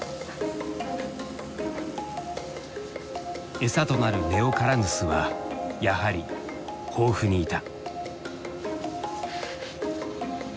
えさとなるネオカラヌスはやはり豊富にいた。